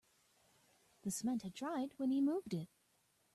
The cement had dried when he moved it.